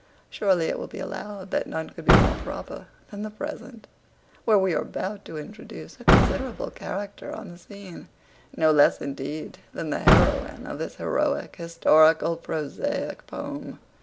Surely it will be allowed that none could be more proper than the present, where we are about to introduce a considerable character on the scene; no less, indeed, than the heroine of this heroic, historical, prosaic poem.